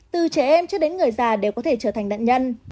từ trẻ em cho đến người già đều có thể trở thành nạn nhân